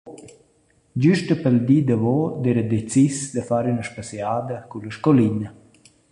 Güsta pel di davo d’eira decis da far üna spassegiada culla scoulina.